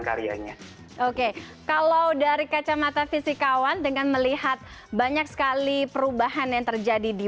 karyanya oke kalau dari kacamata fisikawan dengan melihat banyak sekali perubahan yang terjadi di